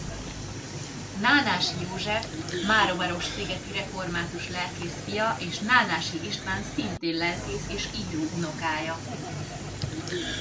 Nánási József máramarosszigeti református lelkész fia és Nánási István szintén lelkész és író unokája.